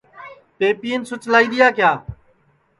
پئپین سُچ لائی دؔیا کیا